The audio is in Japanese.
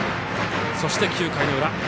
そして９回の裏